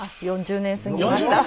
４０年過ぎました。